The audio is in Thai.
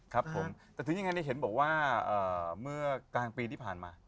ครับผมแต่ถึงยังไงเนี่ยเห็นบอกว่าเมื่อกลางปีที่ผ่านมา